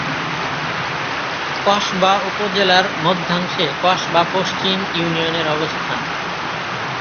কসবা উপজেলার মধ্যাংশে কসবা পশ্চিম ইউনিয়নের অবস্থান।